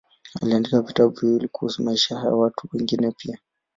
Aliandika vitabu viwili kuhusu maisha ya watu wengine pia.